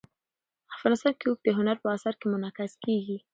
افغانستان کې اوښ د هنر په اثار کې منعکس کېږي.